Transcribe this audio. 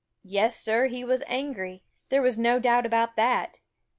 Yes, Sir, he was angry. There was no doubt about that.